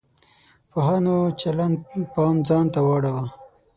پوهانو چلند پام ځان ته واړاوه.